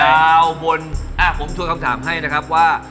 ดาวนผมถูกคำถามให้นะครับว่า